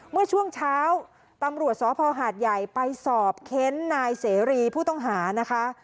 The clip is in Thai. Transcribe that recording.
เมื่อช่วงเช้าตำรวจสพหาดใหญ่ไปสอบเค้นนายเสรีผู้ต้องหานะคะ